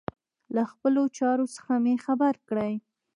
له خپلو چارو څخه مي خبر کړئ.